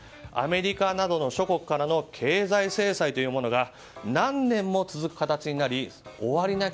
アメリカなどの諸国からの経済制裁というものが何年も続く形になり終わり